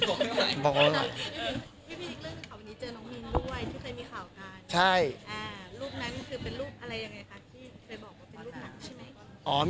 อ่ารูปนั้นคือเป็นรูปอะไรยังไงคะที่เคยบอกว่าเป็นรูปหนังใช่ไหม